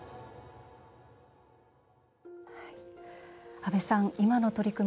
阿部さん、今の取り組み